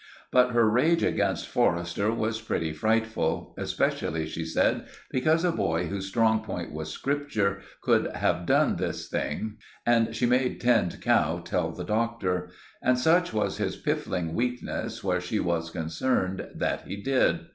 But her rage against Forrester was pretty frightful—especially, she said, because a boy whose strong point was Scripture could have done this thing; and she made Tinned Cow tell the Doctor; and such was his piffling weakness where she was concerned, that he did.